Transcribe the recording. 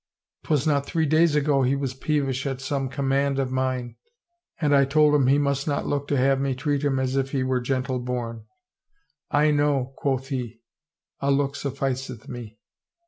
... 'Twas not three days ago he was peevish at some com mand of mine and I told him he must not look to have me treat him as if he were gentle born. * I know,' quoth he, ' a look sufficeth me.'